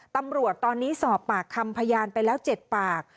ตำรวจตอนนี้สอบปากคำพยานไปแล้ว๗ปาก